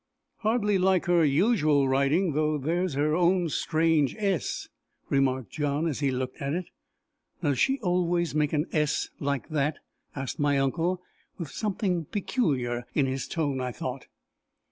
"Hardly like her usual writing though there's her own strange S!" remarked John as he looked at it. "Does she always make an S like that?" asked my uncle, with something peculiar in his tone, I thought.